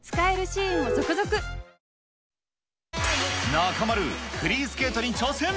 中丸、フリースケートに挑戦。